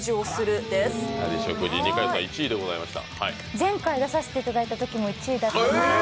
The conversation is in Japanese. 前回出させていただいたときも１位でした。